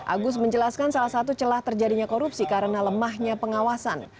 agus menjelaskan salah satu celah terjadinya korupsi karena lemahnya pengawasan